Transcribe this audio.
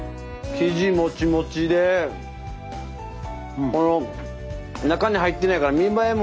生地もちもちで中に入ってないから見栄えもいいし。